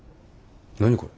何これ？